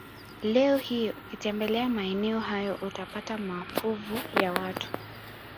Leo hii ukitembelea maeneo hayo utapata mafuvu ya watu